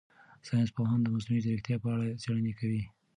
ساینس پوهان د مصنوعي ځیرکتیا په اړه څېړنې کوي.